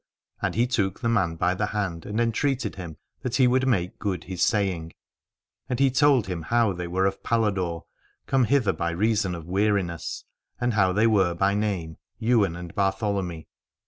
And he took the man by the hand and entreated him that he would make good his saying : and he told him how they were of Paladore, come hither by reason of weariness, and how they were by name Ywain and Bartholomy.